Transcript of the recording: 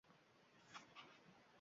Bu shunchaki seniki edi.